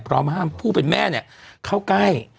พร้อมห้ามผู้เป็นแม่เข้าใกล้